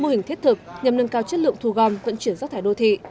mô hình thiết thực nhằm nâng cao chất lượng thù gom vận chuyển rác thải đô thị